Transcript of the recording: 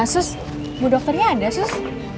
sus bu dokternya ada sus